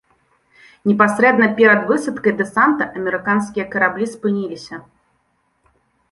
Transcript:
Непасрэдна перад высадкай дэсанта амерыканскія караблі спыніліся.